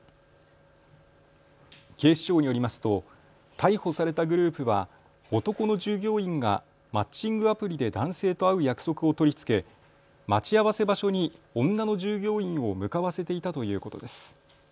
警視庁によりますと逮捕されたグループは男の従業員がマッチングアプリで男性と会う約束を取り付け待ち合わせ場所に女の従業員を向かわせていたということです。